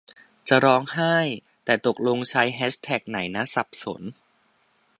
จะร้องไห้ แต่ตกลงใช้แฮชแท็กไหนนะ สับสน